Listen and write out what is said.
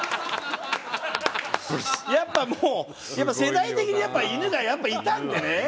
やっぱもうやっぱ世代的に犬がいたんでね